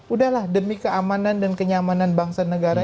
udahlah demi keamanan dan kenyamanan bangsa negara